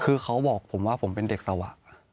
คือเขาบอกผมว่าผมเป็นเด็กตวะ